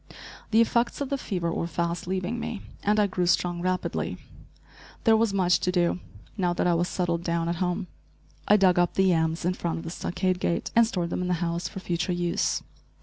The effects of the fever were fast leaving me, and I grew strong rapidly. There was much to do, now that I was settled down at home. I dug up the yams in front of the stockade gate and stored them in the house for future use.